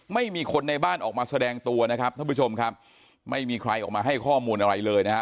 ไม่มีคนในบ้านออกมาแสดงตัวนะครับท่านผู้ชมครับไม่มีใครออกมาให้ข้อมูลอะไรเลยนะฮะ